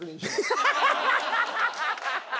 ハハハハ！